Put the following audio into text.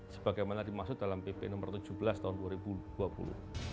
sebagaimana dimaksud dalam pp no tujuh belas tahun dua ribu dua puluh